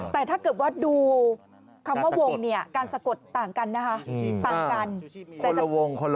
แต่ถ้าเกิดว่าดูคำว่าวงเนี่ยการสะกดต่างกันนะคะต่างกัน